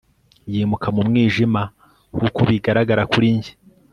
yimuka mu mwijima nkuko bigaragara kuri njye